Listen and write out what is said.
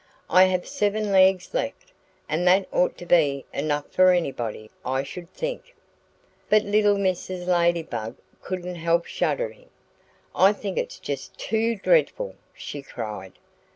"I have seven legs left; and that ought to be enough for anybody. I should think." But little Mrs. Ladybug couldn't help shuddering. "I think it's just too dreadful!" she cried.